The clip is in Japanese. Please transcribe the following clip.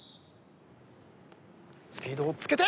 スピードをつけて。